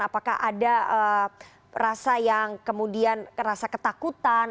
apakah ada rasa yang kemudian rasa ketakutan